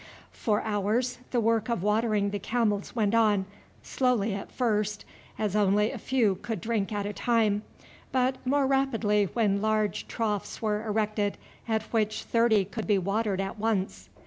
For hours the work of watering the camels went on, slowly at first, as only a few could drink at a time, but more rapidly when large troughs were erected, at which thirty could be watered at once.